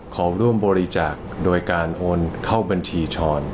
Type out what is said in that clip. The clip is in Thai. ขอร่วมบริจาคโดยการโอนเข้าบัญชีชร